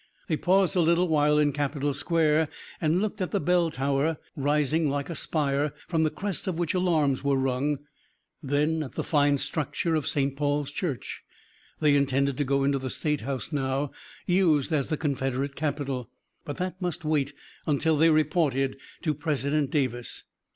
They paused a little while in Capitol Square, and looked at the Bell Tower, rising like a spire, from the crest of which alarms were rung, then at the fine structure of St. Paul's Church. They intended to go into the State House now used as the Confederate Capitol, but that must wait until they reported to President Davis.